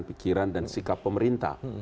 pikiran dan sikap pemerintah